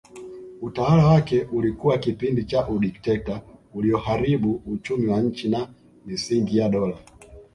Utawala wake ulikuwa kipindi cha udikteta ulioharibu uchumi wa nchi na misingi ya dola